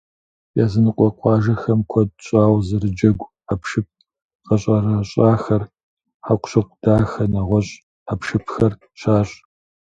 Языныкъуэ къуажэхэм куэд щӏауэ зэрыджэгу хьэпшып гъэщӏэрэщӏахэр, хьэкъущыкъу дахэ, нэгъуэщӏ хьэпшыпхэр щащӏ.